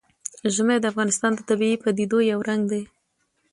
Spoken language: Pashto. ژمی د افغانستان د طبیعي پدیدو یو رنګ دی.